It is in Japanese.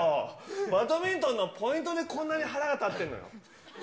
バドミントンのポイントでこんなに腹が立ってんだよ。